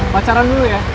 pacaran dulu ya